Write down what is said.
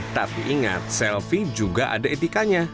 tapi ingat selfie juga ada etikanya